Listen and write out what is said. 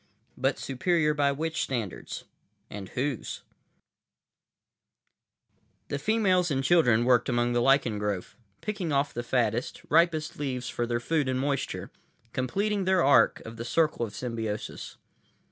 but superior by which standards ... and whose?_ Illustrated by BALBALIS The females and children worked among the lichen growth, picking off the fattest, ripest leaves for their food and moisture, completing their arc of the circle of symbiosis.